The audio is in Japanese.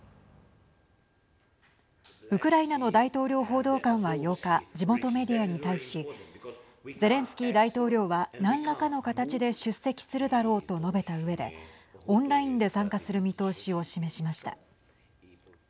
ウクライナの大統領報道官は８日地元メディアに対しゼレンスキー大統領は何らかの形で出席するだろうと述べたうえで、オンラインで参加する見通しを示しました。